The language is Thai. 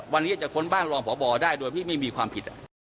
วันนี้จะค้นบ้านรองพบได้โดยที่ไม่มีความผิด